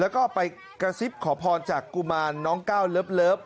แล้วก็ไปกระซิบขอพรจากกุมารน้องก้าวเลิฟ